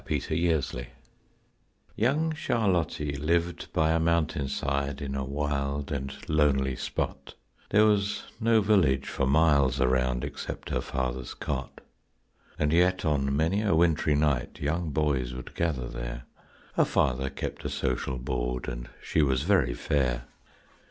YOUNG CHARLOTTIE Young Charlottie lived by a mountain side in a wild and lonely spot, There was no village for miles around except her father's cot; And yet on many a wintry night young boys would gather there, Her father kept a social board, and she was very fair.